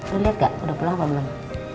lo liat gak udah pulang apa belum